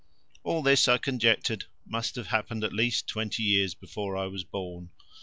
All this, I conjectured, must have happened at least twenty years before I was born.